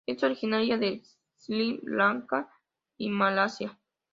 Es originario de Sri Lanka y Malasia.